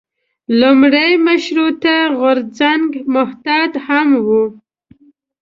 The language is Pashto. لومړی مشروطیه غورځنګ محتاط هم و.